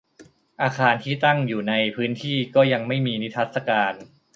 อาคารที่ตั้งอยู่ในพื้นที่ก็ยังไม่มีนิทรรศการ